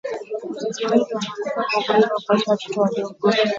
wazazi wengi wanakufa kwa ugonjwa na kuacha watoto wadogo